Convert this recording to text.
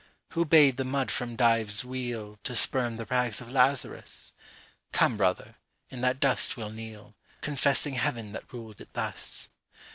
Who bade the mud from Dives' wheelTo spurn the rags of Lazarus? Come, brother, in that dust we'll kneel, Confessing Heaven that ruled it thus.